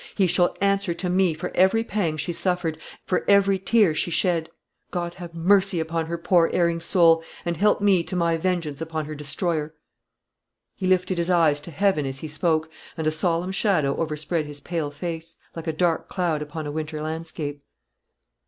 He shall answer to me for every pang she suffered, for every tear she shed. God have mercy upon her poor erring soul, and help me to my vengeance upon her destroyer." He lifted his eyes to heaven as he spoke, and a solemn shadow overspread his pale face, like a dark cloud upon a winter landscape.